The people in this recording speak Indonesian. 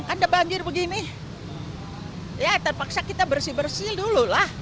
kan ada banjir begini ya terpaksa kita bersih bersih dulu lah